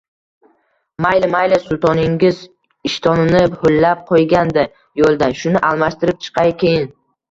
Mayli, mayli, Sultoningiz ishtonini ho`llab qo`ygandi yo`lda, shuni almashtirib chiqay, keyin